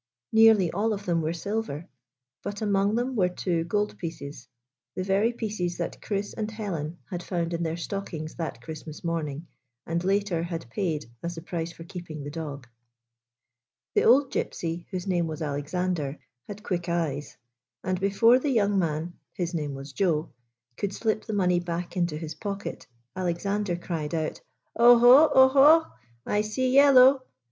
Nearly all of them were silver, but among them were two goldpieces — the very pieces that Chris and Helen had found in their stockings that Christ mas morning, and later had paid as the price for keeping the dog. The old Gypsy, whose name was Alexander, had quick eyes, and, before the young man — his name was Joe — could slip the money back into his pocket, Alexander cried out : 87 GYPSY, THE TALKING DOG "Olio, olie! I see yellow